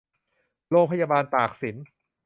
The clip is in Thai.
โรงพยาบาลตากสิน